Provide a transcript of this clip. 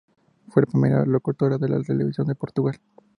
Fue la primera locutora de la televisión de Portugal.